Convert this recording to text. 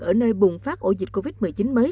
ở nơi bùng phát ổ dịch covid một mươi chín mới